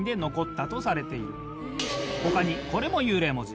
他にこれも幽霊文字。